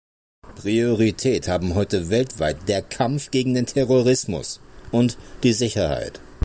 Priorität haben heute weltweit der Kampf gegen den Terrorismus und die Sicherheit.